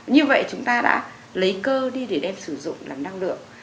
như vậy chúng ta đã lấy cơ đi để đem sử dụng làm năng lượng